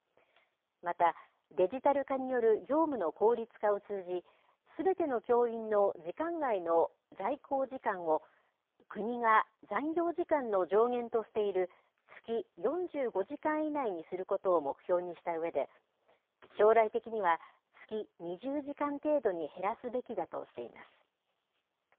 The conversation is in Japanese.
また、デジタル化による業務の効率化を通じ、すべての教員の時間外の在校時間を、国が残業時間の上限としている月４５時間以内にすることを目標にしたうえで、将来的には月２０時間程度に減らすべきだとしています。